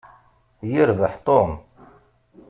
Yerbeḥ Tom.